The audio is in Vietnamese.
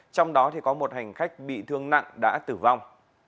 trong đó có một hành khách bị thương nặng đã tử vong